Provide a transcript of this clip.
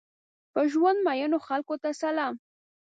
په ژوند مئینو خلکو ته سلام!